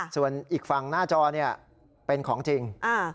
ส่วนอีกฝั่งหน้าจอเป็นของจริง